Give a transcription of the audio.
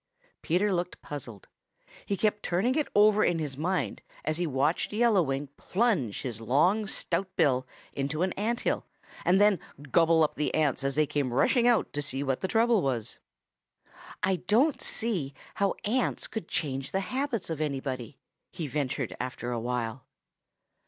Peter looked puzzled. He kept turning it over in his mind as he watched Yellow Wing plunge his long stout bill into an ant hill and then gobble up the ants as they came rushing out to see what the trouble was. "I don't see how ants could change the habits of anybody," he ventured after a while.